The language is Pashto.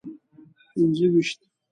پنځه ویشت.